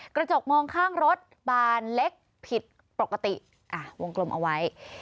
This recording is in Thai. กระจกมองข้างรถบานเล็กผิดปกติ